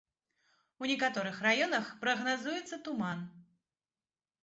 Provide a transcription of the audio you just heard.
У некаторых раёнах прагназуецца туман.